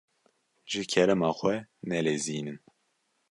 Ji kerema xwe nelezînin.